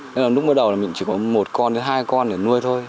nên là lúc mới đầu là mình chỉ có một con hay hai con để nuôi thôi